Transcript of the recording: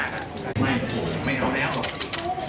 ผมก็ยังไม่เชื่ออยู่ด้านหัวตรงเลย